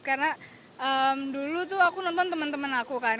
karena dulu tuh aku nonton temen temen aku kan